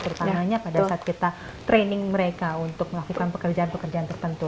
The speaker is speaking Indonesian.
terutamanya pada saat kita training mereka untuk melakukan pekerjaan pekerjaan tertentu